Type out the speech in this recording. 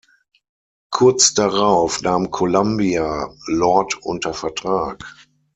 Kurz darauf nahm Columbia Lord unter Vertrag.